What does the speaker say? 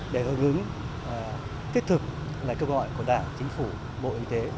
để hợp ứng thiết thực là cơ gọi của đảng chính phủ bộ y tế